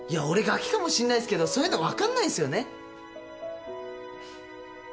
俺がきかもしんないっすけどそういうの分かんないんすよね。